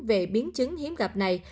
về biến chứng hiếm gặp này